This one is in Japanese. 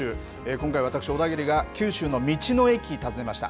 今回、私、小田切が、九州の道の駅、訪ねました。